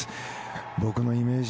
僕のイメージ